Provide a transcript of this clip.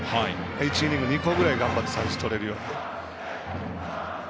１イニングで２個ぐらい頑張って三振がとれるように。